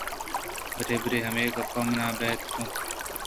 برے برے ہمے گپ منا ابیتک کنت